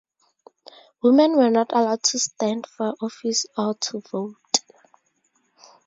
Women were not allowed to stand for office or to vote.